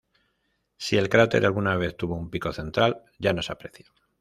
Si el cráter alguna vez tuvo un pico central, ya no se aprecia.